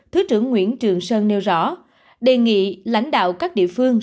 thứ trưởng nguyễn trường sơn nêu rõ đề nghị lãnh đạo các địa phương